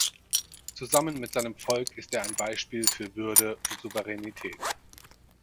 Zusammen mit seinem Volk ist er ein Beispiel für Würde und Souveränität.